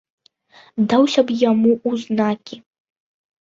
Даўся б я яму ў знакі!